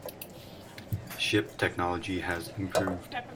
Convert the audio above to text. Ship technology has improved.